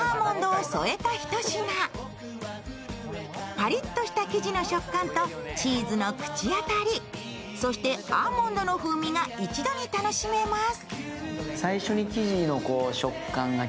パリッとした生地の食感とチーズの口当たり、そしてアーモンドの風味が一度に楽しめます。